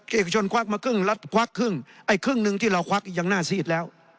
เอกชนควักมาครึ่งรัฐควักครึ่งไอ้ครึ่งหนึ่งที่เราควักยังหน้าซีดแล้ว